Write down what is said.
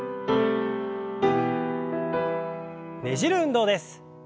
ねじる運動です。